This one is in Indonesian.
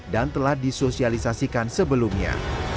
dan telah disosialisasikan sebelumnya